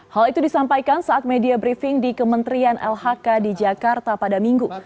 hal itu disampaikan saat media briefing di kementerian lhk di jakarta pada minggu